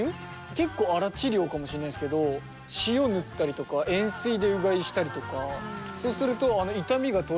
結構荒治療かもしれないですけど塩塗ったりとか塩水でうがいしたりとかそうすると痛みがとれて。